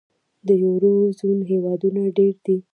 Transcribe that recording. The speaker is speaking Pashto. د یورو زون هېوادونه ډېر دي.